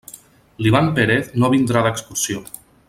L'Ivan Pérez no vindrà d'excursió.